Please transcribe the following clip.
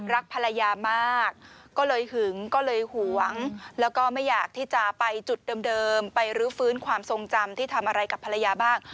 รักภรรยามากก็เลยหึงก็เลยหวงแล้วก็ไม่อยากที่จะไปจุดเดิมไปรื้อฟื้นความทรงจำที่ทำอะไรกับภรรยาบ้าง